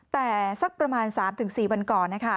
แต่สักประมาณสามถึงสี่วันก่อนนะคะ